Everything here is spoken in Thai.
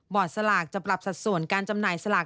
สลากจะปรับสัดส่วนการจำหน่ายสลาก